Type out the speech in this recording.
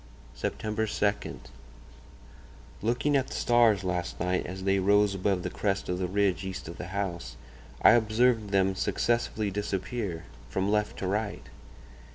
... "Sept. 2.—Looking at the stars last night as they rose above the crest of the ridge east of the house, I observed them successively disappear—from left to right.